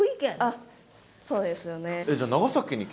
あっそうですよね。